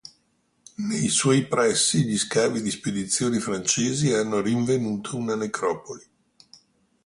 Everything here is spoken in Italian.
Nei suoi pressi gli scavi di spedizioni francesi hanno rinvenuto una necropoli.